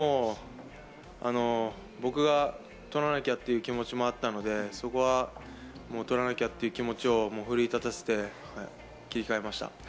やっぱり悔しい思いもあってでも僕が取らなきゃという気持ちもあったので、取らなきゃという気持ちを奮い立たせて切り替えました。